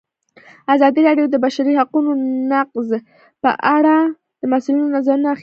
ازادي راډیو د د بشري حقونو نقض په اړه د مسؤلینو نظرونه اخیستي.